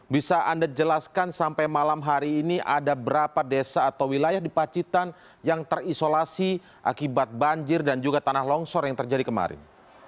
bisa anda jelaskan sampai malam hari ini ada berapa desa atau wilayah di pacitan yang terisolasi akibat banjir dan juga tanah longsor yang terjadi kemarin